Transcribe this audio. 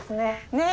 ねえ！